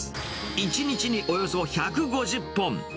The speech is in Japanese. １日におよそ１５０本。